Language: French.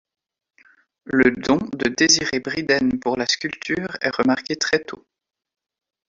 Le don de Désiré Briden pour la sculpture est remarqué très tôt.